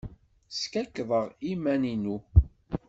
Skakkḍeɣ iman-inu.